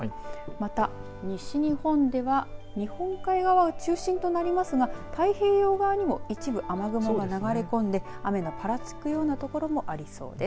また、西日本では日本海側を中心となりますが太平洋側にも一部雨雲が流れ込んで雨のぱらつくような所もありそうです。